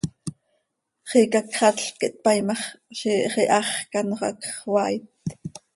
Xiica cxatlc quih tpaii ma x, ziix iháx quih anxö hacx xöaait.